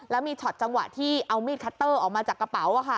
แล้วมีช็อตจังหวะที่เอามีดคัตเตอร์ออกมาจากกระเป๋า